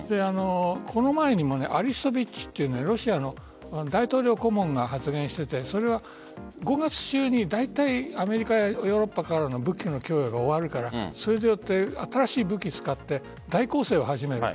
この前にもアリストビッチというロシアの大統領顧問が発言していてそれは５月中にアメリカやヨーロッパからの武器の供与が終わるからそれによって新しい武器を使って大攻勢を始める。